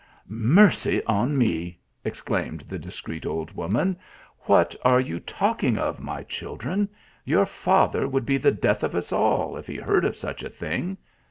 44 Mercy on me !" exclaimed the discreet old woman ; 4< what are vou talking of, my children * Your father would be the death of us all, if he heard of such a thing.